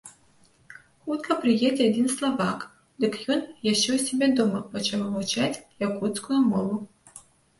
Хутка прыедзе адзін славак, дык ён яшчэ ў сябе дома пачаў вывучаць якуцкую мову.